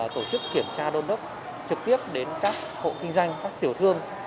tổ chức kiểm tra đôn đốc trực tiếp đến các hộ kinh doanh các tiểu thương